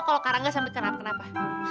kalau karangga sampe kenapa kenapa